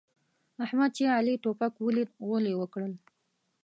احمد چې علي توپک وليد؛ غول يې وکړل.